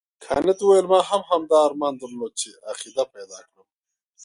کانت وویل ما هم همدا ارمان درلود چې عقیده پیدا کړم.